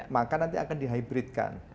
maka nanti akan di hybrid kan